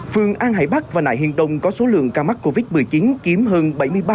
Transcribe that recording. phường an hải bắc và nại hiên đông có số lượng ca mắc covid một mươi chín kiếm hơn bảy mươi ba